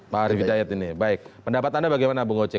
pak arief hidayat ini baik pendapat anda bagaimana bung oce